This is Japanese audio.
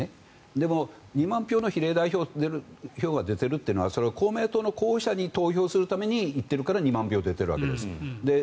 でも、２万票の比例代表に出てるというのはそれは公明党の候補者に投票するために行っているから２万票出ているわけです。